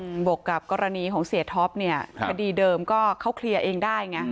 บวกกับกรณีของเสียท็อปเนี่ยคดีเดิมก็เขาเคลียร์เองได้ไง